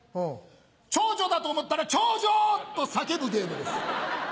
長女だと思ったら「長女！」と叫ぶゲームです。